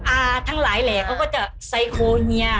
อาทั้งหลายแหล่เขาก็จะไซโครเฮีย